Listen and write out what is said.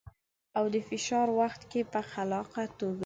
او د فشار وخت کې په خلاقه توګه.